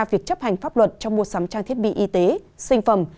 việc chấp hành pháp luật trong mua sắm trang thiết bị y tế sinh phẩm